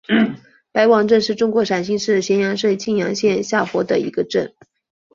白王镇是中国陕西省咸阳市泾阳县下辖的一个镇。